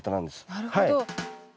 なるほど。